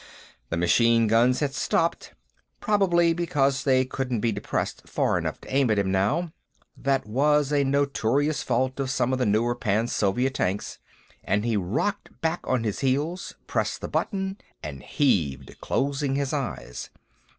The machine guns had stopped probably because they couldn't be depressed far enough to aim at him, now; that was a notorious fault of some of the newer Pan Soviet tanks and he rocked back on his heels, pressed the button, and heaved, closing his eyes.